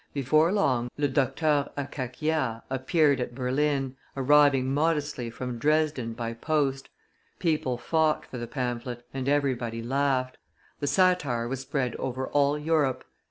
Before long Le Docteur Akakia appeared at Berlin, arriving modestly from Dresden by post; people fought for the pamphlet, and everybody laughed; the satire was spread over all Europe.